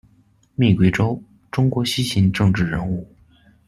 密贵周，中国西秦政治人物。